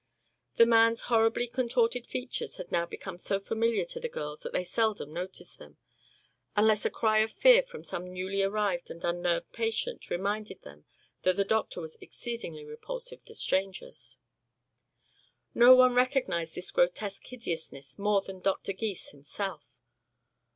The man's horribly contorted features had now become so familiar to the girls that they seldom noticed them unless a cry of fear from some newly arrived and unnerved patient reminded them that the doctor was exceedingly repulsive to strangers. No one recognized this grotesque hideousness more than Doctor Gys himself.